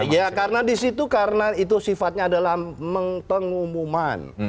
ya karena di situ karena itu sifatnya adalah pengumuman